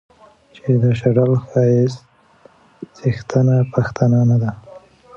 چې د شډل ښايست څښتنه پښتنه نه ده